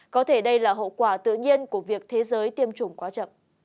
có thể đây là hậu quả tự nhiên của việc thế giới tiêm chủng quá chậm